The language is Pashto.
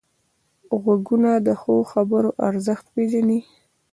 غوږونه د ښو خبرو ارزښت پېژني